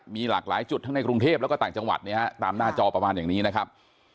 มีหลากหลายจุดทั้งในกรุงเทพแล้วก็ต่างจังหวัดเนี่ยฮะตามหน้าจอประมาณอย่างนี้นะครับ